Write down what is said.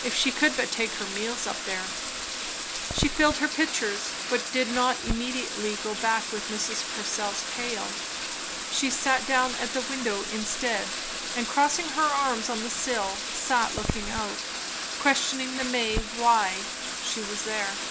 If she could but take her meals up there! She filled her pitchers; but did not immediately go back with Mrs. Purcell's pail. She sat down at the window instead, and crossing her arms on the sill, sat looking out, questioning the May why she was there?